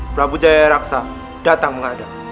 prabu jayaraksa datang menghadap